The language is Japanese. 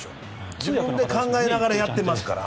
自分で考えながらやってますから。